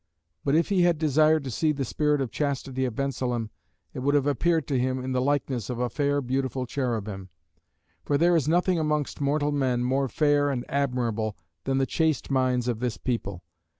But if he had desired to see the Spirit of Chastity of Bensalem, it would have appeared to him in the likeness of a fair beautiful Cherubim. For there is nothing amongst mortal men more fair and admirable, than the chaste minds of this people.